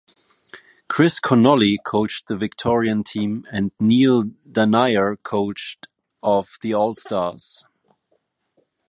Chris Connolly coached the Victorian team and Neale Daniher coached of the All Stars.